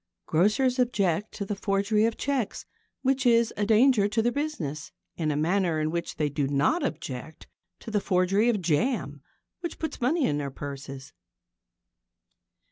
Grocers object to the forgery of cheques, which is a danger to their business, in a manner in which they do not object to the forgery of jam, which puts money in their purses.